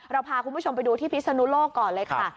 พาคุณผู้ชมไปดูที่พิศนุโลกก่อนเลยค่ะ